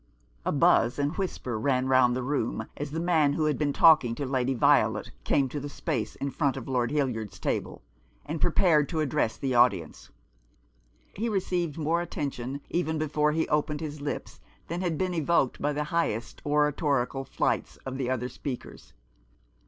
A buzz and whisper ran round the room as the man who had been talking to Lady Violet came to the space in front of Lord Hildyard's table, and prepared to address the audience. He received more attention even before he opened his lips than had been evoked by the highest oratorical flights of the other speakers.